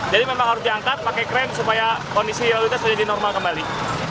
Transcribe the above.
jadi memang harus diangkat pakai kren supaya kondisi jalur kita menjadi normal kembali